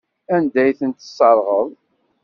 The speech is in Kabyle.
Anda ay tent-tesserɣeḍ?